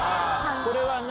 これは何？